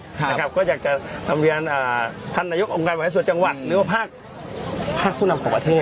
แต่ครับก็อยากจะทำเวียนท่านนายกองค์การบริษัทจังหวัดหรือว่าภาคผู้นำของประเทศ